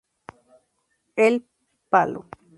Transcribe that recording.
El Palo.